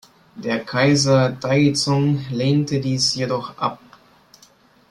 Der Kaiser Taizong lehnte dies jedoch ab.